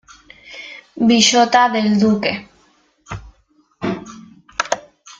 Villota del Duque